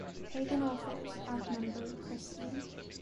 Pagan authors outnumber Christian.